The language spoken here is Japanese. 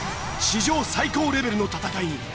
史上最高レベルの戦いに。